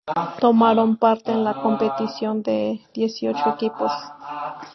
Tomaron parte en la competición de dieciocho equipos.